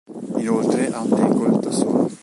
Inoltre ha un tackle da solo.